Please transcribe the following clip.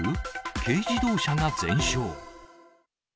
軽自動車が全焼。